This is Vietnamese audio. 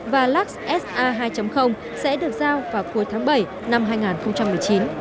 và lux sa hai sẽ được giao vào cuối tháng bảy năm hai nghìn một mươi chín